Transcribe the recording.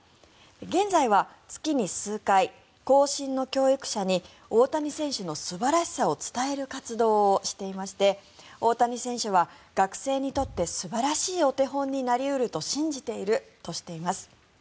現在は月に数回、後進の教育者に大谷選手の素晴らしさを伝える活動をしていまして大谷選手は学生にとって素晴らしいお手本になり得ると信じているとしています。